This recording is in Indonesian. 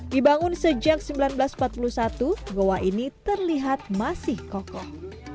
dibangun sejak seribu sembilan ratus empat puluh satu goa ini terlihat masih kokoh